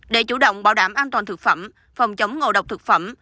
để chủ động bảo đảm an toàn thực phẩm phòng chống ngộ độc thực phẩm